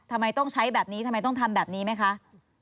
ทำไมต้องใช้แบบนี้ทำไมต้องทำแบบนี้ไหมคะ